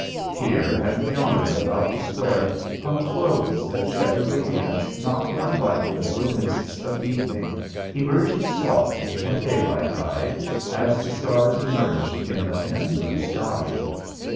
Here and yonder about the Square hung globes that shed a radiance not unlike the blue mists of evening, emerging softly when daylight died, as the stars emerged in the thin blue sky.